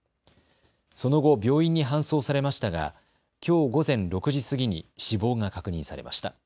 その後、病院に搬送されましたがきょう午前６時過ぎに死亡が確認されました。